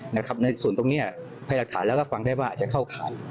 ในส่วนตรงนี้ไพรักษาแล้วก็ฟังได้ว่าอาจจะเข้าขาด